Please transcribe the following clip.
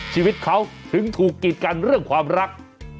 ชีวิตเขาถึงถูกกิดกันเรื่องความรัก